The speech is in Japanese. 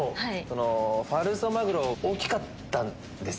ファルソマグロ大きかったんです